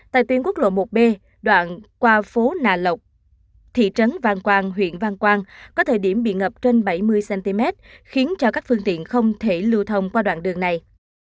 tại tuyến quốc lộ một b đoạn qua phố nà lộc thị trấn vang quang huyện văn quang có thời điểm bị ngập trên bảy mươi cm khiến cho các phương tiện không thể lưu thông qua đoạn đường này